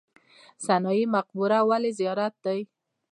سنايي مقبره ولې زیارت دی؟